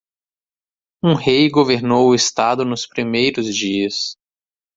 Um rei governou o estado nos primeiros dias.